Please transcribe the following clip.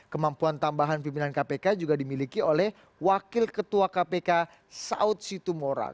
kemampuan tambahan pimpinan kpk juga dimiliki oleh wakil ketua kpk saud situmorang